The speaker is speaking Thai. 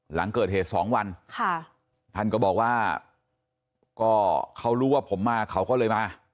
หลังเกิดเหตุสองวันท่านก็บอกว่าก็เขารู้ว่าผมมาเขาก็เลยมา